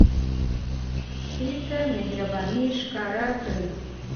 سپي ته مهرباني ښکار کړئ.